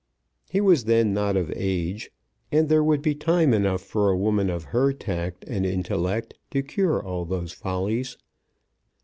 He was then not of age, and there would be time enough for a woman of her tact and intellect to cure all those follies.